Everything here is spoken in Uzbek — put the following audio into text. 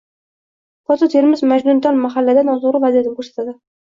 Foto Termiz Majnuntal mahallada noto'g'ri vaziyatni ko'rsatadi